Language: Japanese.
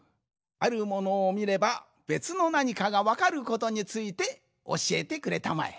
あるものをみればべつのなにかがわかることについておしえてくれたまえ。